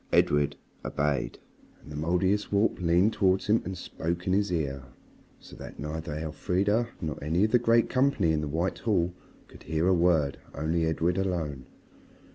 Edred obeyed, and the Mouldiestwarp leaned towards him and spoke in his ear. So that neither Elfrida nor any of the great company in the White Hall could hear a word, only Edred alone.